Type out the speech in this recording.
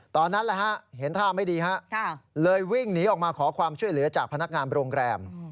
ตอนนั้นเห็นท่าไม่ดีเลยวิ่งหนีออกมาขอความช่วยเหลือจากพนักงานโรงแรม